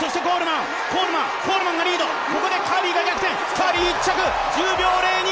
カーリー１着、１０秒０２。